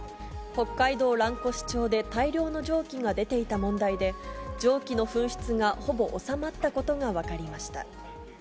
北海道蘭越町で大量の蒸気が出ていた問題で、蒸気の噴出がほぼ収まったことが分かりました。